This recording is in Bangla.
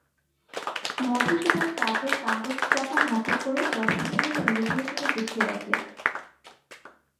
মধুসূদন কাঁচের কাগজচাপা হাতে করে যথাস্থানে ধীরে ধীরে সেটা গুছিয়ে রাখলে।